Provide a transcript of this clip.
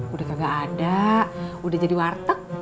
udah kagak ada udah jadi warteg